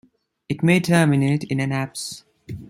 It may terminate in an apse.